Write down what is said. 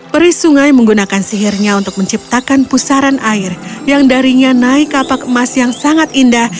peri sungai menggunakan sihirnya untuk menciptakan pusaran air yang darinya naik kapak emas yang sangat indah